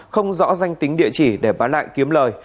không rõ danh tính địa chỉ để bán lại kiếm lời